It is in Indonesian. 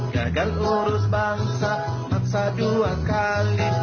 gagal urut bangsa maksa dua kali